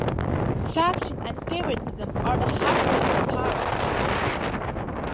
Faction and favouritism are the high roads to power.